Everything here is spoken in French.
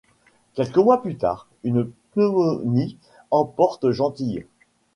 Quelques mois plus tard, une pneumonie emporte Gentille.